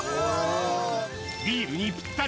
ビールにぴったり！